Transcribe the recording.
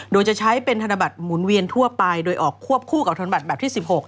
โดยจะใช้เป็นธนบัตรหมุนเวียนทั่วไปโดยออกควบคู่กับธนบัตรแบบที่๑๖